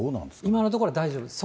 今のところ、大丈夫です。